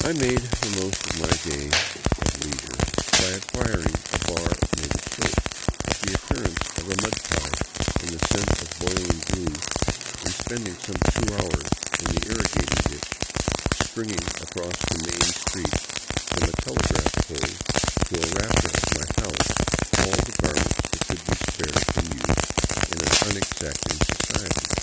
I made the most of my day of lei sure by acquiring a bar of native soap, of the appearance of a mud pie and the scent of boiling glue, and spending some two hours in the irrigating ditch, stringing across the main street, from a telegraph pole to a rafter of " my house," all the garments that could be spared from use in an unexacting society.